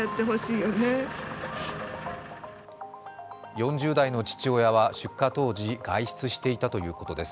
４０代の父親は出火当時、外出していたということです。